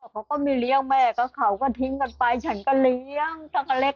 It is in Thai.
เขาก็ไม่เลี้ยงแม่ก็เขาก็ทิ้งกันไปฉันก็เลี้ยงชักก็เล็ก